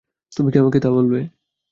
তুমি কি আমাকে তা বলবে?